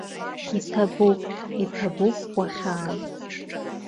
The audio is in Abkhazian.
Иҭабуп, иҭабуп уахьааз.